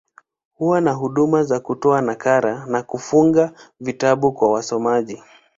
Huwa na huduma za kutoa nakala, na kufunga vitabu kwa wasomaji.